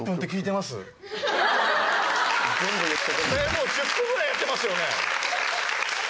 もう１０分ぐらいやってますよね？